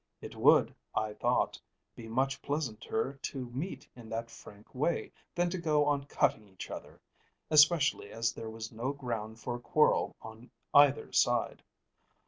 It would, I thought, be much pleasanter to meet in that frank way than to go on cutting each other, especially as there was no ground for a quarrel on either side.